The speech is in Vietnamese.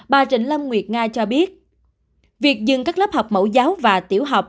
bà trịnh lâm nguyệt nga cho biết việc dừng các lớp học mẫu giáo và tiểu học